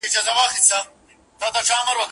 څوک چي په تېغ لوبي کوي زخمي به سینه